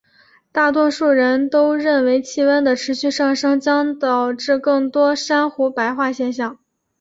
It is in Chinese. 大多数人都认为气温的持续上升将导致更多的珊瑚白化现象。